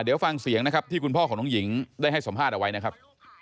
เดี๋ยวฟังเสียงนะครับที่คุณพ่อของน้องหญิงได้ให้สัมภาษณ์เอาไว้นะครับ